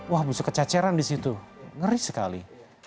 wah busuk kecaceran di situ ngeri sekali